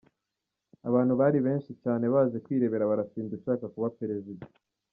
Abantu bari benshi cyane baje kwirebera Barafinda ushaka kuba Perezida